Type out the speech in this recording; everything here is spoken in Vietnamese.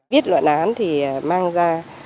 viết luận án thì mang ra